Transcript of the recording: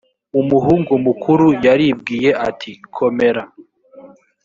umuhungu mukuru yaribwiye ati komera